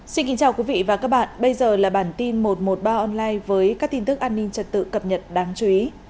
xin kính chào quý vị và các bạn bây giờ là bản tin một trăm một mươi ba online với các tin tức an ninh trật tự cập nhật đáng chú ý